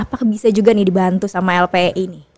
apa bisa juga nih dibantu sama lpi ini